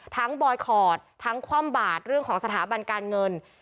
บอยคอร์ดทั้งคว่ำบาดเรื่องของสถาบันการเงิน